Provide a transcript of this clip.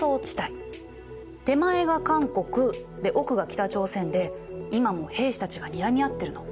手前が韓国で奥が北朝鮮で今も兵士たちがにらみ合ってるの。